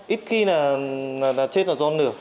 ít khi là chết là do nửa